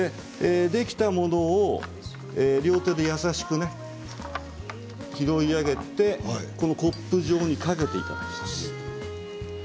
できたものを両手で優しくね拾い上げて、このコップ上にかけていただきます。